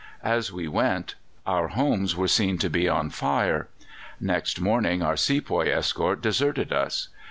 "As we went our homes were seen to be on fire. Next morning our sepoy escort deserted us.